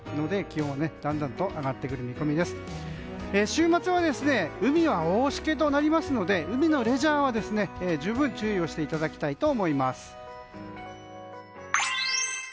週末は海は大しけとなりますので海のレジャーは十分注意をしていただきたいと思います。